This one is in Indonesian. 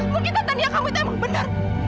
mungkin tante nia kamu itu emang benar